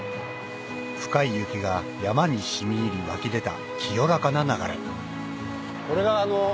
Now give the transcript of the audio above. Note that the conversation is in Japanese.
深い雪が山に染み入り湧き出た清らかな流れそうですね。